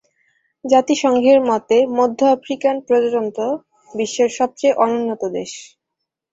জাতিসংঘের মতে মধ্য আফ্রিকান প্রজাতন্ত্র বিশ্বের সবচেয়ে অনুন্নত দেশ।